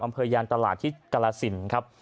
ยานตลาดที่กรสินครับ